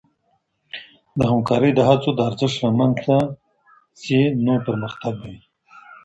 د همکارۍ د هڅو د ارزښت رامنځته سي، نو پرمختګ به وي.